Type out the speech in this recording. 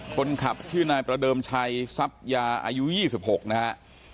คนขับชื่อนายประเดิมชัยทรัพยาอายุ๒๖นะฮะ